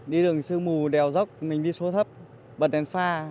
đi đường sương mù đèo dốc mình đi xuống thấp bật đèn pha